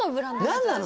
何なの？